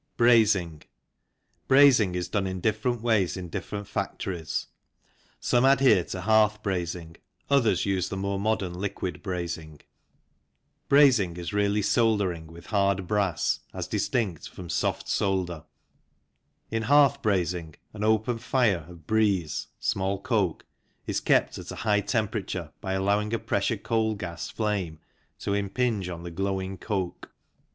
Brazing. Brazing is done in different ways in different factories, some adhere to hearth brazing, others use the more modern liquid brazing. Brazing is really soldering with hard brass, as distinct from soft solder. In hearth brazing an open fire of " breeze " (small coke) is kept at a high temperature by allowing a pressure coal gas flame to impinge on the glowing coke.